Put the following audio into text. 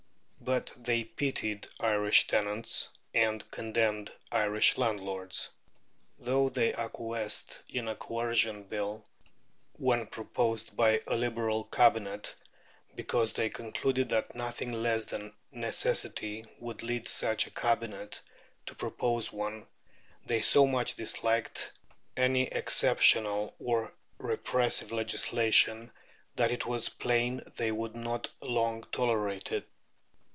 But they pitied Irish tenants, and condemned Irish landlords. Though they acquiesced in a Coercion Bill when proposed by a Liberal Cabinet, because they concluded that nothing less than necessity would lead such a Cabinet to propose one, they so much disliked any exceptional or repressive legislation that it was plain they would not long tolerate it.